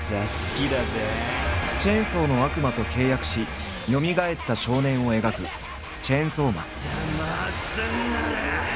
チェンソーの悪魔と契約しよみがえった少年を描く「チェンソーマン」。